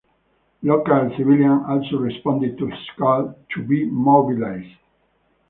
Local civilians also responded to his calls to be mobilized.